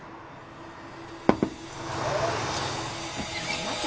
あなた！